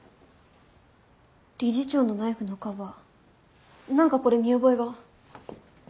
理事長のナイフのカバー何かこれ見覚えが。